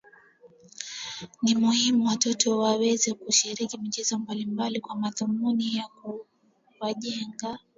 Ni muhimu watoto waweze kushiriki michezo mbalimbali kwa madhumuni ya kuwajenga